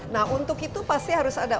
nah untuk itu pasti harus ada